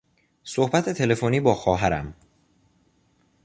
صحبت تلفنی با خواهرم